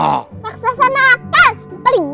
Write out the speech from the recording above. raksasa nakal pergi dari sini